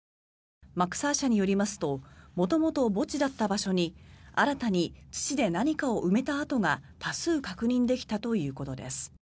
マクサー社によりますと元々、墓地だった場所に新たに土で何かを埋めた跡が多数確認できたということです。